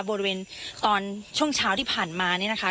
บริเวณตอนช่วงเช้าที่ผ่านมาเนี่ยนะคะ